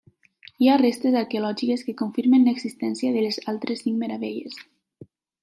Hi ha restes arqueològiques que confirmen l'existència de les altres cinc meravelles.